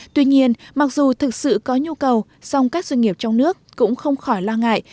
tuy nhiên mặc dù thực sự có nhu cầu song các doanh nghiệp trong nước cũng không khỏi lo ngại